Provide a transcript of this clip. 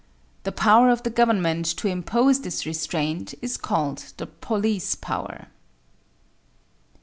The power of the government to impose this restraint is called the police power.